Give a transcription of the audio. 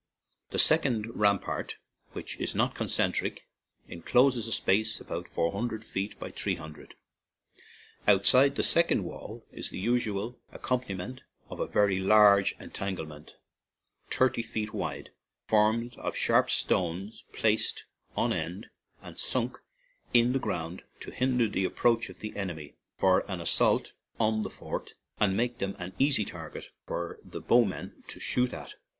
The sec ond rampart, which is not concentric, encloses a space about four hundred feet by three hundred. Outside the second wall is the usual accompaniment of a very large "entanglement/' thirty feet wide, formed of sharp stones placed on end and sunk in the ground to hinder the approach of the enemy for an assault on the fort and make them an easy target for the bowmen to shoot at.